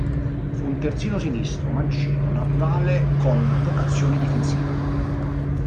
Fu un terzino sinistro, mancino naturale con vocazione difensiva.